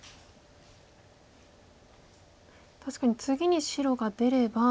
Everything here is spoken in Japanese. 確かに次に白が出れば。